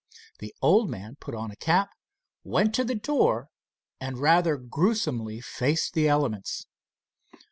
The old man put on a cap, went to the door and rather gruesomely faced the elements.